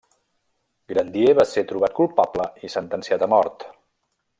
Grandier va ser trobat culpable i sentenciat a mort.